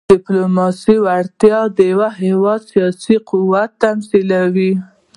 د ډيپلوماسۍ وړتیا د یو هېواد سیاسي قوت تمثیلوي.